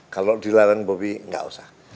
kalau dilarang bopi gak usah